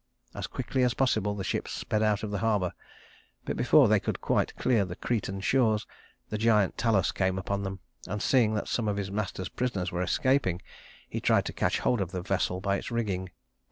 As quickly as possible the ship sped out of the harbor; but before they could quite clear the Cretan shores, the giant Talus came upon them, and, seeing that some of his master's prisoners were escaping, he tried to catch hold of the vessel by its rigging.